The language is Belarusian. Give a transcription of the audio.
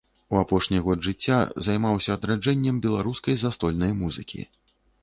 У апошні год жыцця займаўся адраджэннем беларускай застольнай музыкі.